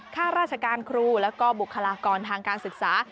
ข้าราชการครูแล้วก็บุคลากรทางการศึกษา